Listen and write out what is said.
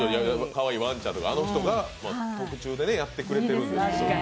かわいいワンちゃんとかあの人が特注でやってくれてるので。